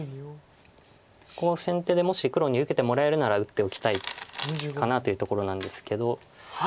ここを先手でもし黒に受けてもらえるなら打っておきたいかなというところなんですけど。